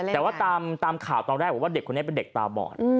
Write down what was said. แต่ว่าตามข่าวตอนแรกบอกว่าเด็กคนนี้เป็นเด็กตาบอด